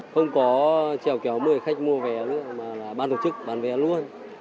không có trèo kéo mười khách mua vé nữa mà là ban tổ chức bán vé luôn